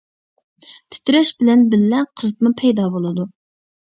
تىترەش بىلەن بىللە قىزىتما پەيدا بولىدۇ.